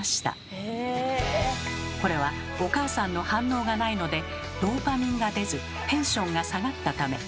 これはお母さんの反応がないのでドーパミンが出ずテンションが下がったため。